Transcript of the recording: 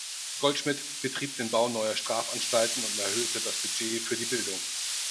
Goldschmidt betrieb den Bau neuer Strafanstalten und erhöhte das Budget für die Bildung.